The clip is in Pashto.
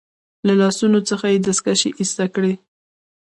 له لاسونو څخه يې دستکشې ایسته کړې.